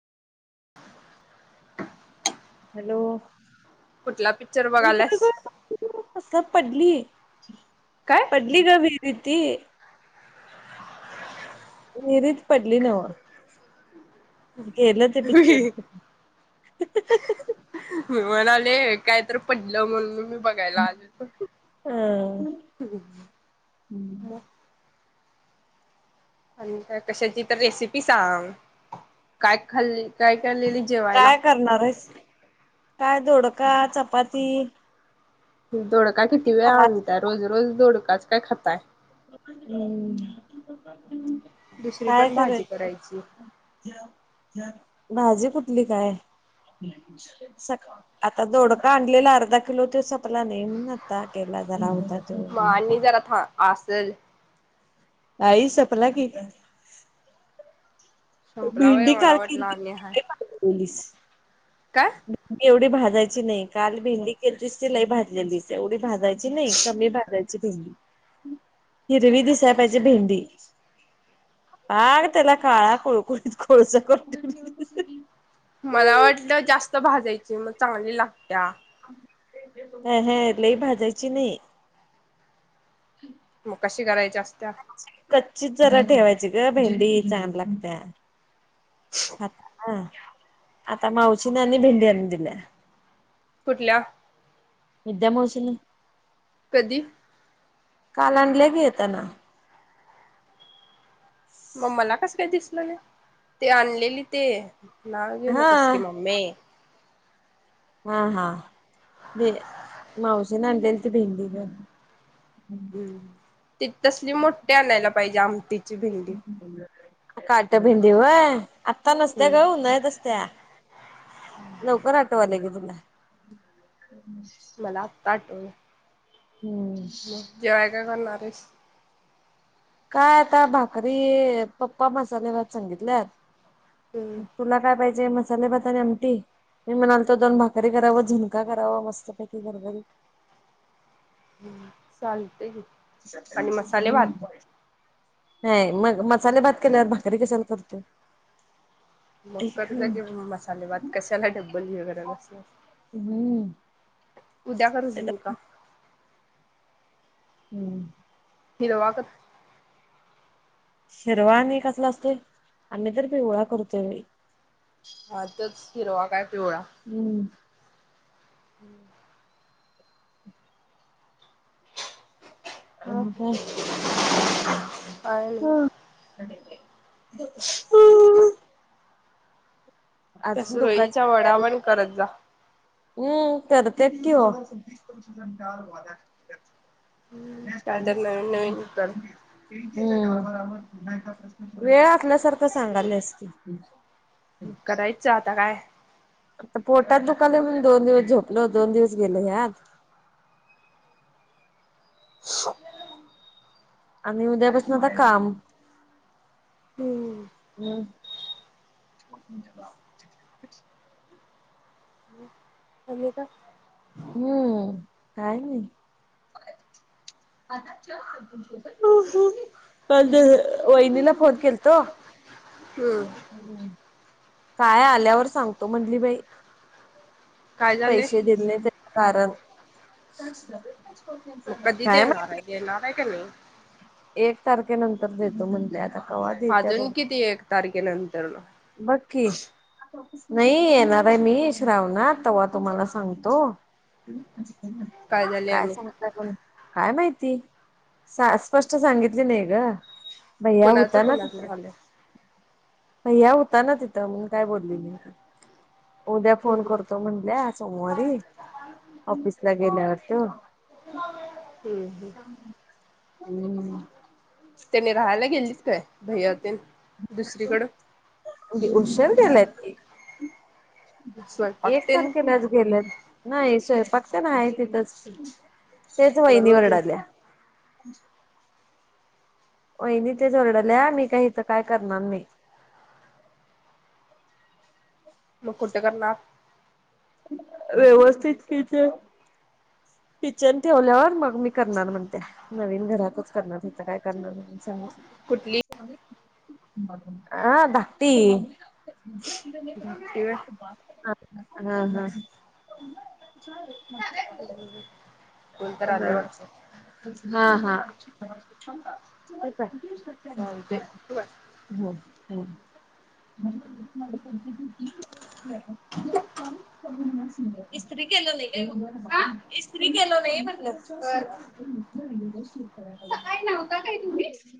[inaudible] Hello, कुठला picture बघायलास पडली ये. काय? पडली गं विहिरीत ती. विहिरीत पडली नव्ह केलं ते पिक्चर. मी मी म्हणालोय काय तर पडलं म्हणून मी बघायला आलोय मग हम्म आणि काय कशाची तर रेसिपी सांग. काय खाल्ली काय खाल्लेली जेवायला काय करणार आहेस? काय दोडका, चपाती. दोडका किती वेळ भात आणताय, रोज रोज दोडकाच काय खाताय. हम्म दुसरी काय पण भाजी करायचं. करायची भाजी कुठली काय? सका आता दोडका आणलेला अर्धा किलो त्यो संपला नाहीे, मग आता केला जरा होता. तो मग आणि जरा था आसल. आई संपला की संपला वय भेंडी मला काल वाटलं आणि हाय केलीलीस [unintelligible] काय. एवढी भाजायची नाही. काल भेंडी केलतीस ती लई भाजलेलीस एवढी भाजायची जी नाही कमी भाजायची भेंडी. हिरवी दिसाय पाहिजे भेंडी. पार तेला काळा कुळ कुळीत कोळसा करून मला वाटलं, जास्त भाजायची मग चांगली लागत्या. अह अह लई भाजायची नाही. [inaudible] मग कशी करायची असत्या. कच्चीच जरा ठेवायची गं भेंडी चांगली लागत्या. [inaudible] हा आता मावशीन आणि भेंडी आणून दिल्या. कुठल्या? विद्या मावशीन कधी काल आणल्या बी येता ना मग मला कसं काय दिसलं नाही ते आणलेली ते नाव घेऊ हा नकोस की मम्मे हा हा भ मावशी न आणलेली ती भेंडी गं हम्म ती तसली मोठी आणायला पाहिजे आमटीची भेंडी. काट भिंडी व्हय आता नसत्या गं हम्म उन्हाळ्यात असत्या. लवकर आठवाल्या की तुला. [inaudible] मला आता आठवली हम्म जेवाय काय करणार आहेस काय आता भाकरी पप्पा मसाले भात सांगितल्यात हम्म तुला काय पाहिजे मसाले भात आणि आमटी मी म्हणालतो दोन भाकरी करावं झुणका करावं मस्तपैकी गरगरीत चालतंय आणि मसाले हम्म भात नाही मग मसाले भात केल्यावर भाकरी कशाला करतोय मग करजा हम्म कि, मग मसाले भात. कशाला डब्बल ही करत बसलाय. हम्म. उद्या करू [unintelligible] का? हम्म. हिरवा कल शिरवा आणि कसला असतय? आम्ही तर पिवळा करतोय बाई. हा तच हिरवा काय पिवळा. हम्म. हम्म. मग आणि काय? काय नाही. [unintelligible] [unintelligible] त्या अजून दुःखाची सुरळीच्या वडावण करत जा. अम्, करतेत कि हो. [unintelligible] [unintelligible] [unintelligible] काय तर नवीन नवीन कर. वेळ आसल्यासारखं सांगालायस की. करायच, आता काय? आता पोटात दुकाल म्हणून दोन दिवस झोपलो. दोन दिवस गेले ह्यात. [unintelligible] आणि उद्यापासून आता काम. हम्म हम. [unintelligible] खाल्ले का? हम्म, काय नाही. [unintelligible] [unintelligible] वईनिला फोन केल्तो. हम्म [unintelligible] काय आल्यावर सांगतो म्हणली बाई. काय झाले पैसे दिले नाही कारण, [unintelligible] काय माहीत. येणार हाय का नाही. एक तारखेनंतर देतो म्हणले आता. कवा देत्या अजून बघ किती एक तारखेनंतरन. बघ की. [inaudible] नाही, येणार आहे मी श्रावणात. तव्हा तुम्हाला सांगतो. [inaudible] काय आणि सांगता पण? काय माहिती? सास स्पष्ट सांगितली नाही गं. भैया कुणाचं होता ना कुणाचं तिथं. झालं भैय्या होता ना, तिथं. मण काय बोलली नाही. उद्या फोन हम्म करतो म्हणल्या, सोमवारी. ऑफिसला गेल्यावर तो. [inaudible] हम्म, ह. [unintelligible] त्यानी राहायला गेलीत काय? भैय्या ते न. दुसरीकडं. उशर गेल्यात की. स्वयंपाक एक तेन तारखे लाच गेल्यात. नाही, स्वयंपाक ते न आहे तिथच. तेच मग वहिनी रोज वरडाल्या. वहिनी तेच वरडल्या. मी काही हितं, काय करणार नाही. मग कुट करणार? व्यवस्थित कि ते किचन ठेवल्यावर मग मी करणार म्हणत्या. नवीन घरातच करणार. हितं काय करणार नाही म्हणे. कुठली चला. [unintelligible] आ धाकटी. [inaudible] धाकटी व्हय? [unintelligible] हां हां. [inaudible] कोणतर आना, आलय वाटतं हां हां, [unintelligible] चल बाय, चालतंय बाय, ठेवू काय हो हो. [unintelligible] [unintelligible] इस्त्री केलं नाही का, इस्त्री केलं तई म्हणलं बर, [unintelligible] सकाळी नव्हता काय तुम्ही?